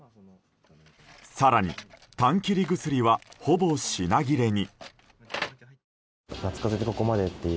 更に、たん切り薬はほぼ品切れに。